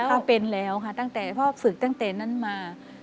พ่อเป็นแล้วค่ะตั้งแต่พ่อฝึกตั้งแต่นั้นมา